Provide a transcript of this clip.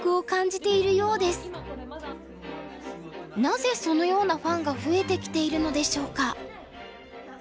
なぜそのようなファンが増えてきているのでしょうか？